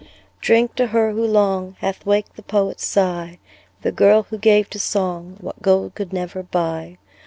Drink to her, who long, Hath waked the poet's sigh. The girl, who gave to song What gold could never buy.